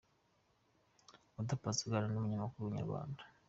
Oda Paccy aganira n’umunyamakuru wa Inyarwanda.